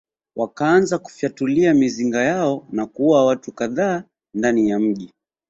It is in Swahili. Wakaanza kufyatulia mizinga yao na kuua watu kadhaa ndani ya mji